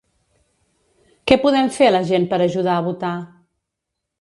Què podem fer la gent per ajudar a votar?